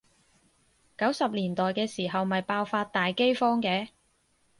九十年代嘅時候咪爆發大饑荒嘅？